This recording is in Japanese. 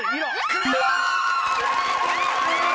［クリア！］